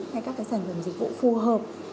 hay các sản phẩm dịch vụ phù hợp